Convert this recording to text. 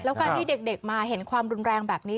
แล้วการที่เด็กมาเห็นความรุนแรงแบบนี้